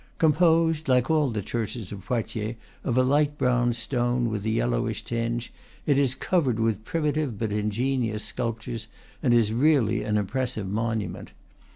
Composed, like all the churches of Poitiers, of a light brown stone with a yellowish tinge, it is covered with primitive but ingenious sculptures, and is really an impressive monument.